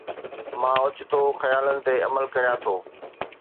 مان اوچتو خيالن تي عمل ڪريان ٿو